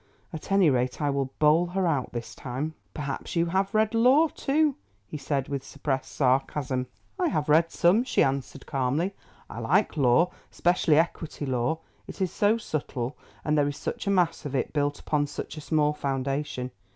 At any rate I will bowl her out this time." "Perhaps you have read law too?" he said with suppressed sarcasm. "I have read some," she answered calmly. "I like law, especially Equity law; it is so subtle, and there is such a mass of it built upon such a small foundation.